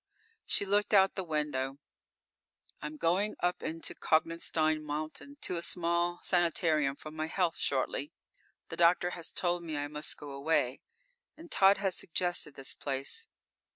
She looked out the window. "I'm going up into Konigstein Mountain, to a small sanitarium for my health shortly; the doctor has told me I must go away, and Tod has suggested this place.